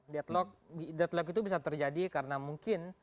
deadlock deadlock itu bisa terjadi karena mungkin